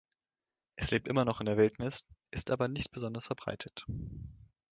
Es lebt immer noch in der Wildnis, ist aber nicht besonders verbreitet.